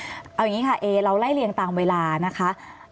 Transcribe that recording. เอาอย่างนี้ค่ะเอเราไล่เรียงตามเวลานะคะ